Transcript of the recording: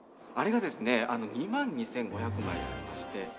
あれがですね２万２５００枚ありまして。